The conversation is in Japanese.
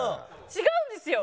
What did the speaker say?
違うんですよ。